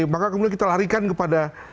maka kemudian kita larikan kepada